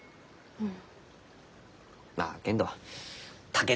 うん？